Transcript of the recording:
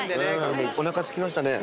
おなかすきましたね。